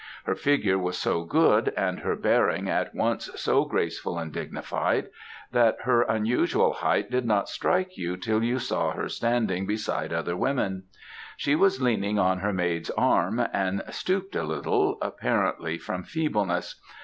Her figure was so good, and her bearing at once so graceful and dignified, that her unusual height did not strike you till you saw her standing beside other women. She was leaning on her maid's arm, and stooped a little, apparently from feebleness.